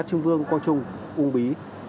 trung vương quang trung uông bí